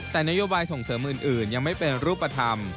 แต่นโยบายส่งเสริมอื่นยังไม่เป็นรูปธรรม